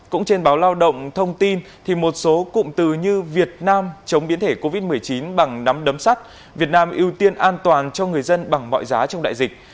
cũng trên báo lao động thông tin thì một số cụm từ như việt nam chống biến thể covid một mươi chín bằng nắm đấm sắt việt nam ưu tiên an toàn cho người dân bằng mọi giá trong đại dịch